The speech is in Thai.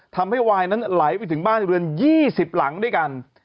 วายนั้นไหลไปถึงบ้านเรือน๒๐หลังด้วยกัน